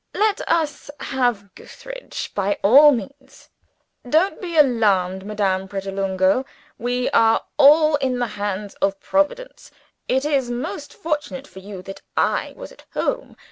Let us have Gootheridge, by all means. Don't be alarmed, Madame Pratolungo. We are all in the hands of Providence. It is most fortunate for you that I was at home.